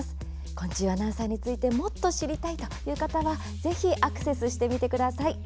昆虫アナウンサーについてもっと知りたいという方はぜひ、アクセスしてみてください。